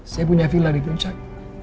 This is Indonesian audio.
saya punya villa di puncak